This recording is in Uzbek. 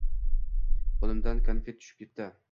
Qo'limdan konfet tushib ketdi.